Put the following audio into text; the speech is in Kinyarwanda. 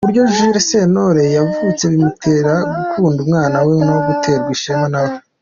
Uburyo Jules Sentore yavutse bimutera gukunda umwana we no guterwa ishema na we.